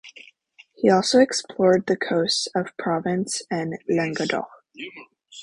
He also explored the coasts of Provence and Languedoc.